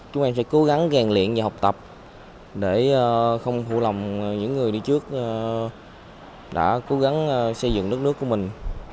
chúng em sẽ cố gắng gàng liện và học tập để không hụt lòng những người đi trước đã cố gắng xây dựng đất nước của mình